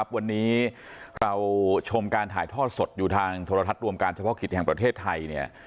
วันนี้เราชมการถ่ายทอดสดอยู่ทางโทรทัศน์รวมการเฉพาะกิจแห่งประเทศไทย